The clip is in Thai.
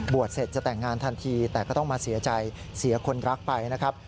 เสร็จจะแต่งงานทันทีแต่ก็ต้องมาเสียใจเสียคนรักไปนะครับ